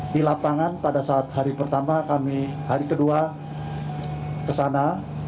di lapangan pada saat hari pertama kami hari kedua kesana